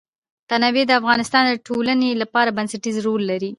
تنوع د افغانستان د ټولنې لپاره بنسټيز رول لري.